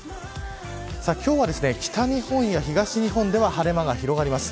今日は北日本や東日本では晴れ間が広がります。